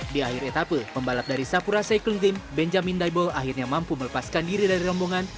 di akhir etape pembalap dari sapura cycling team benjamin daibo akhirnya mampu melepaskan diri dari rombongan